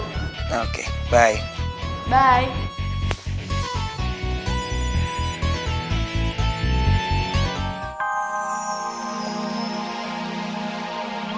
ih gak mau